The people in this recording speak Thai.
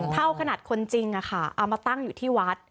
เท่าขนาดคนจริงเอามาตั้งอยู่ที่วัด